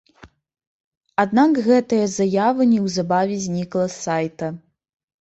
Аднак гэтая заява неўзабаве знікла з сайта.